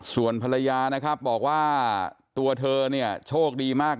ส่วนภรรยานะครับบอกว่าตัวเธอเนี่ยโชคดีมาก